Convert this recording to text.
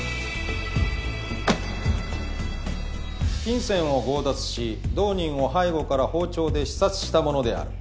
金銭を強奪し同人を背後から包丁で刺殺したものである。